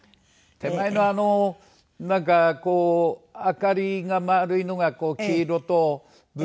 手前のなんかこう明かりが丸いのが黄色とブルーと。